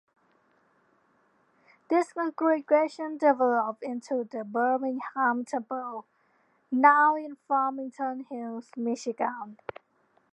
This congregation developed into the Birmingham Temple, now in Farmington Hills, Michigan.